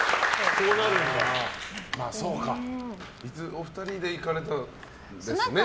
お二人で行かれたんですね。